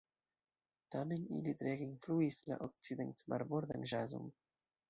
Tamen ili treege influis la okcident-marbordan ĵazon.